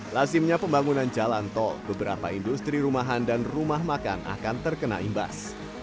lasimnya pembangunan jalan tol beberapa industri rumahan dan rumah makan akan terkena imbas